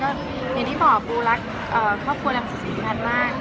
เห็นที่ที่บอกลับครอบครัวรามศักดิ์ศมีทรัฐมาก